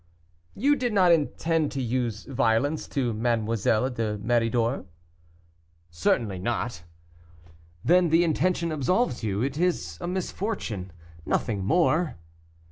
"You did not intend to use violence to Mademoiselle de Méridor." "Certainly not." "Then the intention absolves you; it is a misfortune, nothing more."